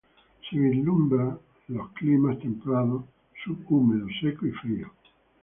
Se vislumbra los climas templado subhúmedo, seco y frío.